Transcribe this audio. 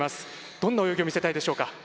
どんな泳ぎを見せたいですか。